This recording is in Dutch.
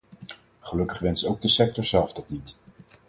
Gelukkig wenst ook de sector zelf dat niet.